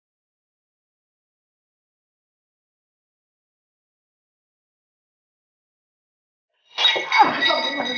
nggak segampang itu lu keluar dari sini